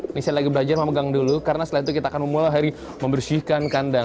ini saya lagi belajar memegang dulu karena setelah itu kita akan memulai hari membersihkan kandang